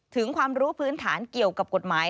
ถึงความรู้พื้นฐานเกี่ยวกับกฎหมาย